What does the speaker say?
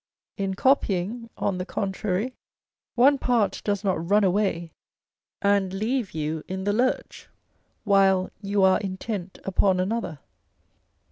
In copying, on the contrary, one part does not run away and leave you in the lurch, while you are intent upon another.